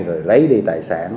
rồi lấy đi tài sản